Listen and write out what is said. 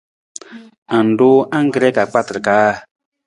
Ng ruu angkre ka kpatar kaa?